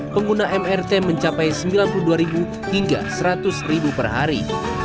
pengguna mrt mencapai sembilan puluh dua hingga seratus per hari